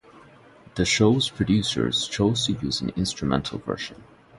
The show's producers chose to use an instrumental version.